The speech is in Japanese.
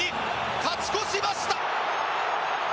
勝ち越しました！